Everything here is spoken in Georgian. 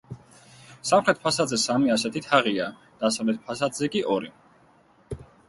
სამხრეთ ფასადზე სამი ასეთი თაღია, დასავლეთ ფასადზე კი ორი.